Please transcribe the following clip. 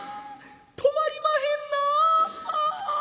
止まりまへんな」。